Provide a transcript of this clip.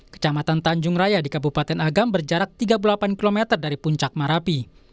kecamatan tanjung raya di kabupaten agam berjarak tiga puluh delapan km dari puncak marapi